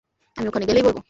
আমি ওখানে গেলেই বলবো।